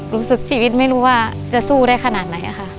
รู้สึกชีวิตไม่รู้ว่าจะสู้ได้ขนาดไหนค่ะ